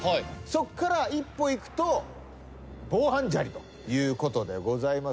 そっから一歩行くと防犯砂利ということでございますんで。